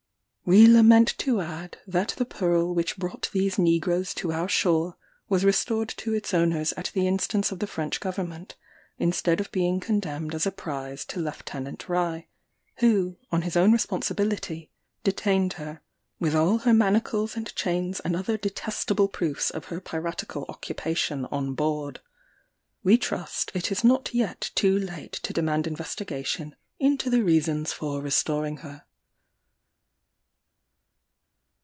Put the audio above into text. We lament to add, that the Pearl which brought these negroes to our shore, was restored to its owners at the instance of the French Government, instead of being condemned as a prize to Lieut. Rye, who, on his own responsibility, detained her, with all her manacles and chains and other detestable proofs of her piratical occupation on board. We trust it is not yet too late to demand investigation into the reasons for restoring her.